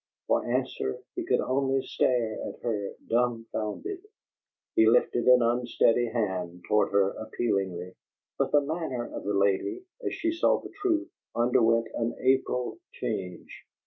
For answer he could only stare at her, dumfounded. He lifted an unsteady hand toward her appealingly. But the manner of the lady, as she saw the truth, underwent an April change.